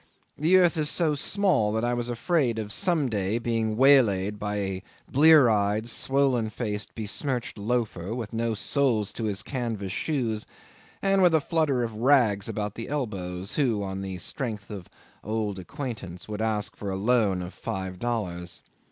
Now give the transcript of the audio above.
The earth is so small that I was afraid of, some day, being waylaid by a blear eyed, swollen faced, besmirched loafer, with no soles to his canvas shoes, and with a flutter of rags about the elbows, who, on the strength of old acquaintance, would ask for a loan of five dollars.